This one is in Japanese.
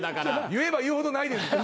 言えば言うほどないです。